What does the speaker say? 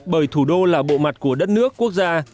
bởi thủ đô là bộ mặt của đất nước quốc gia